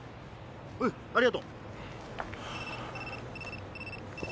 ほいありがとう。